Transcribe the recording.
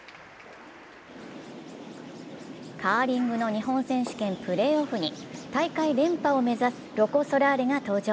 カーリングの日本選手権プレーオフに大会連覇を目指すロコ・ソラーレが登場。